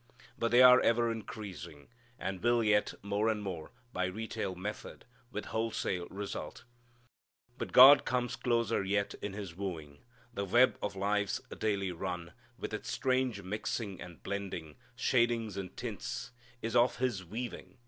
But they are ever increasing, and will yet more and more, by retail method, with wholesale result. But God comes closer yet in His wooing. The web of life's daily run, with its strange mixing and blending, shadings and tints, is of His weaving.